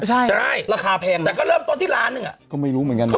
ใช่ใช่ราคาแพงแต่ก็เริ่มต้นที่ล้านหนึ่งอ่ะก็ไม่รู้เหมือนกันนะ